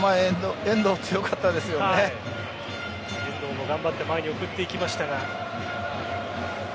遠藤も頑張って前に送っていきましたが。